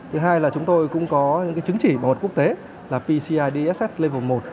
thứ hai là chúng tôi cũng có những chứng chỉ bảo mật quốc tế là pci dss level một